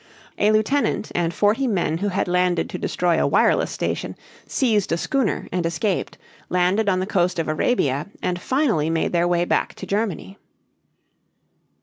A lieutenant and forty men who had landed to destroy a wireless station, seized a schooner and escaped, landed on the coast of Arabia, and finally made their way back to Germany.